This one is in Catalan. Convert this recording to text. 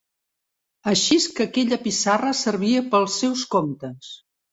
Axis que aquella piçarra servia pels seus comptes